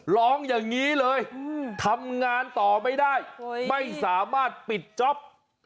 ร้องอย่างนี้เลยทำงานต่อไม่ได้ไม่สามารถปิดจ๊อป